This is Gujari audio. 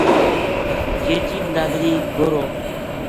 چیچی بلادری گوہرو